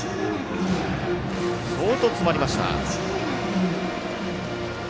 相当詰まりました。